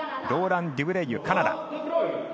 ローラン・デュブレイユ、カナダ。